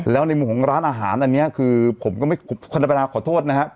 แล้วในมุมของร้านอาหารอันนี้คือผมก็ไม่คนธรรมดาขอโทษนะครับ